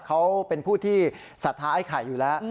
เขาเป็นผู้ที่ศรัทธาไอ้ไข่อยู่แล้ว